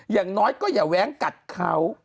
อย่างน้อยก็อย่าแว้งกัดเขา